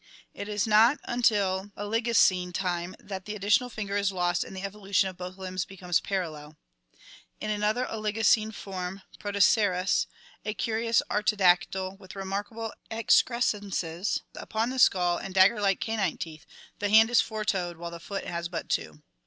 It is not until Oligocene time that the additional finger is lost and the evolution of both limbs becomes parallel. In another Oligocene form, Protoceras, a curious artiodactyl with remarkable excrescences upon the skull and dagger like canine teeth, the hand is four toed while the foot has but two.